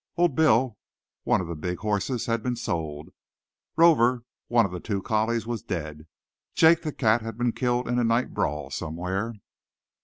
"Old Bill," one of the big horses, had been sold. Rover, one of the two collies, was dead. Jake the cat had been killed in a night brawl somewhere.